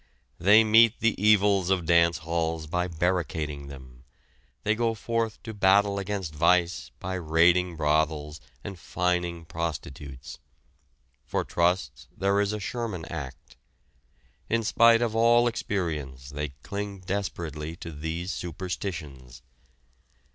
They meet the evils of dance halls by barricading them; they go forth to battle against vice by raiding brothels and fining prostitutes. For trusts there is a Sherman Act. In spite of all experience they cling desperately to these superstitions.